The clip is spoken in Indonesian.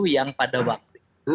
yang pada waktu itu